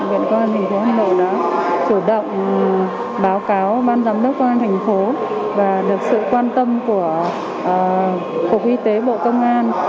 bệnh viện công an tp hà nội đã chủ động báo ban giám đốc công an tp và được sự quan tâm của cục y tế bộ công an